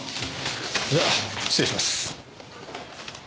じゃ失礼します。